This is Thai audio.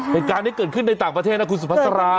เป็นการที่เกิดขึ้นในต่างประเทศนะคุณสุภัทรา